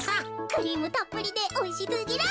クリームたっぷりでおいしすぎる。